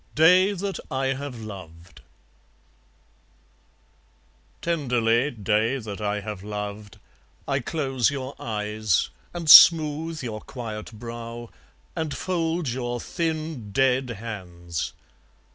Day That I Have Loved Tenderly, day that I have loved, I close your eyes, And smooth your quiet brow, and fold your thin dead hands.